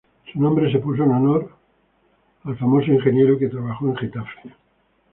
Su nombre se puso en honor al famoso ingeniero que trabajó en Getafe.